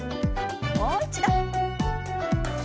もう一度。